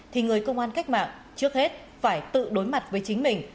thì người công an cách mạng trước hết phải tự đối mặt với chính mình